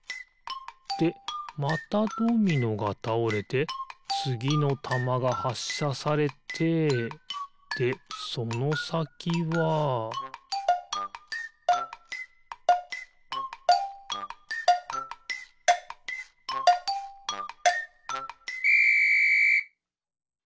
でまたドミノがたおれてつぎのたまがはっしゃされてでそのさきはピッ！